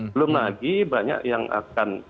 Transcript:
belum lagi banyak yang akan